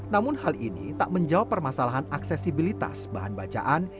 namun hal ini tak menjawab permasalahan aksesibilitas bahan bacaan